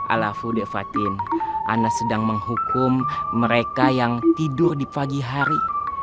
alafu de fatin ana sedang menghukum mereka yang tidur di pagi hari